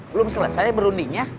belum selesai berundingnya